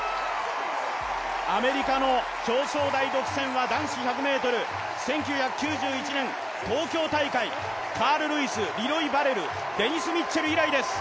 アメリカの表彰台独占は男子１００ｍ、１９９１年、東京大会、カール・ルイスリロイ・バレル、デニス以来です。